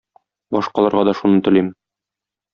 Башкаларга да шуны телим.